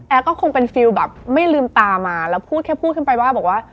แอ๊กก็คงเป็นฟีลแบบไม่ลืมตามาแล้วพูดแค่พูดขึ้นไปว่า